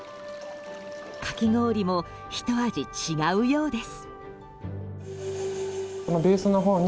かき氷もひと味違うようです。